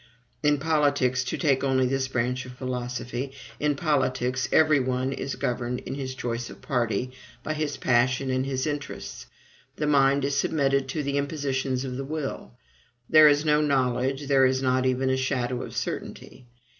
In politics (to take only this branch of philosophy), in politics every one is governed in his choice of party by his passion and his interests; the mind is submitted to the impositions of the will, there is no knowledge, there is not even a shadow of certainty.